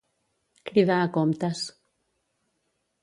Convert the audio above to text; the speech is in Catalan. Cridar a comptes.